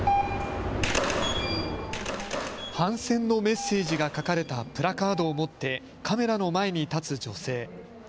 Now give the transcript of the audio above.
反戦のメッセージが書かれたプラカードを持ってカメラの前に立つ女性。